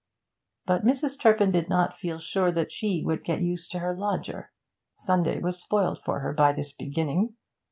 But Mrs. Turpin did not feel sure that she would get used to her lodger. Sunday was spoilt for her by this beginning.